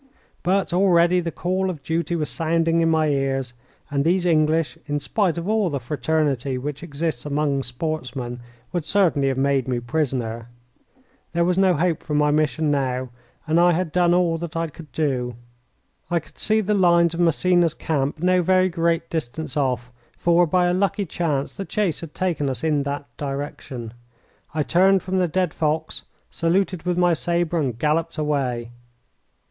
But already the call of duty was sounding in my ears, and these English, in spite of all the fraternity which exists among sportsmen, would certainly have made me prisoner. There was no hope for my mission now, and I had done all that I could do. I could see the lines of Massena's camp no very great distance off, for, by a lucky chance, the chase had taken us in that direction. I turned from the dead fox, saluted with my sabre, and galloped away.